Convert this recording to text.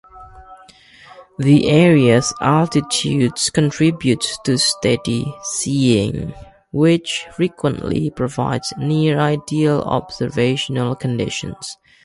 The area's altitude contributes to steady seeing, which frequently provides near ideal observational conditions.